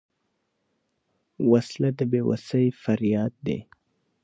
وسله د بېوسۍ فریاد دی